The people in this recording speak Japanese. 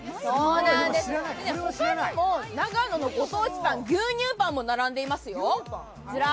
他にも長野のご当地パン、牛乳パンも並んでいますよ。